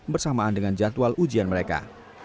bersamaan dengan jadwal ujian mereka